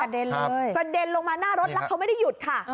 ประเด็นเลยประเด็นลงมาหน้ารถแล้วเขาไม่ได้หยุดค่ะอ๋อ